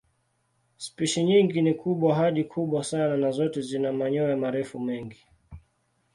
Spishi nyingi ni kubwa hadi kubwa sana na zote zina manyoya marefu mengi.